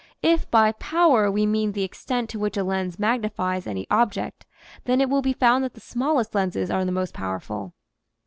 If by power we mean the extent to which a lens magnifies any object, then it will be found that the smallest lenses are the most powerful.